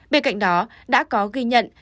bên cạnh đó đã có ghi nhận